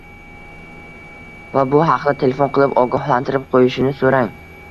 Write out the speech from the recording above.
va bu haqda telefon qilib ogohlantirib qo‘yishini so‘rang.